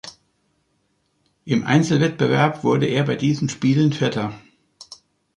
Im Einzelwettbewerb wurde er bei diesen Spielen Vierter.